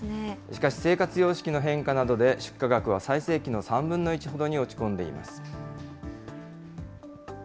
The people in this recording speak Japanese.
しかし生活様式の変化などで、出荷額は最盛期の３分の１ほどに落ち込んでいます。